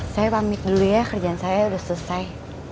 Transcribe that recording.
saya pamit dulu ya kerjaan saya sudah selesai